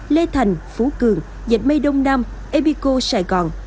lê thành phú cường dịch mây đông nam epico sài gòn